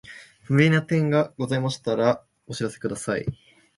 ご不明な点がございましたらお知らせください。